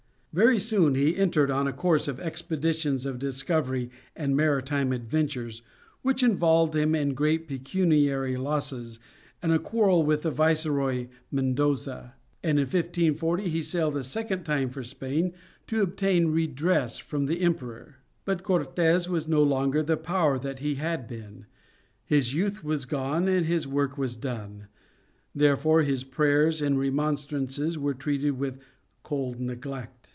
Very soon he entered on a course of expeditions of discovery and maritime adventures which involved him in great pecuniary losses and a quarrel with the viceroy Mendoza; and in 1540 he sailed a second time for Spain to obtain redress from the emperor. But Cortes was no longer the power that he had been; his youth was gone and his work was done, therefore his prayers and remonstrances were treated with cold neglect.